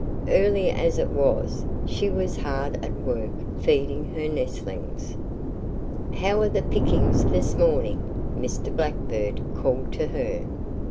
Early as it was she was hard at work feeding her nestlings. "How are the pickings this morning?" Mr. Blackbird called to her.